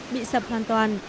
bị sập hoàn toàn